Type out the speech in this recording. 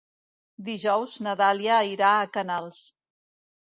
Dijous na Dàlia irà a Canals.